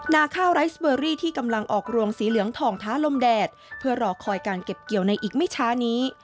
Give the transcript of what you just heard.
นาข้าวไรสเบอรี่ที่กำลังออกรวงสีเหลืองทองท้าลมแดดเพื่อรอคอยการเก็บเกี่ยวในอีกไม่ช้านี้